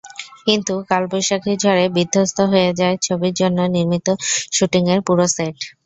কিন্তু কালবৈশাখীর ঝড়ে বিধ্বস্ত হয়ে যায় ছবির জন্য নির্মিত শুটিংয়ের পুরো সেট।